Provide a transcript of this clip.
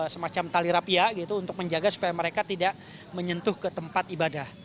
semacam tali rapia gitu untuk menjaga supaya mereka tidak menyentuh ke tempat ibadah